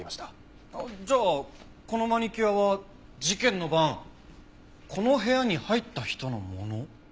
じゃあこのマニキュアは事件の晩この部屋に入った人のもの？